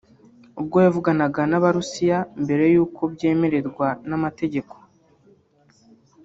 ubwo yavuganaga n'Abarusiya mbere y'uko abyemererwa n'amategeko